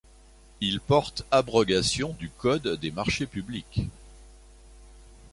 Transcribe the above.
Il porte abrogation du Code des marchés publics.